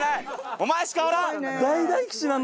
お前しかおらん！